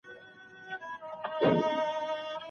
مدیتیشن د انسان د ذهن د پاکولو وسیله ده.